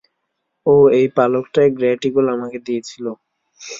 ওহ, এই পালকটাই great eagle আমাকে দিয়েছিল।